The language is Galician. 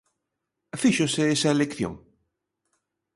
¿Fíxose esa elección?